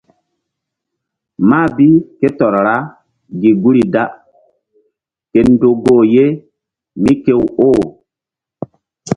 Mah bi ké tɔr ra gi guri da ke ndo goh ye mí kew oh.